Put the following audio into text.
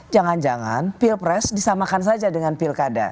jangan jangan pilpres disamakan saja dengan pilkada